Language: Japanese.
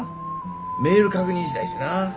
メール確認したいしな。